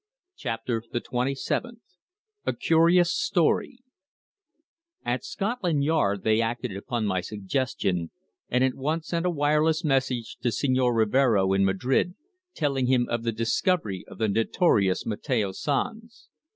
CHAPTER THE TWENTY SEVENTH A CURIOUS STORY At Scotland Yard they acted upon my suggestion, and at once sent a wireless message to Señor Rivero in Madrid, telling him of the discovery of the notorious Mateo Sanz.